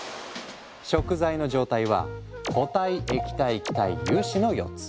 食材の状態は固体液体気体油脂の４つ。